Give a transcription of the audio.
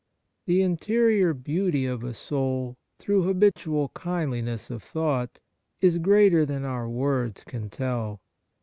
The interior beauty of a soul through habitual kindliness of thought is greater than our words can tell.